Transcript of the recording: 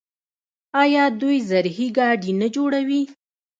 آیا دوی زرهي ګاډي نه جوړوي؟